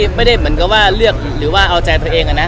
ไม่ได้เหมือนกับว่าเลือกหรือว่าเอาใจตัวเองนะ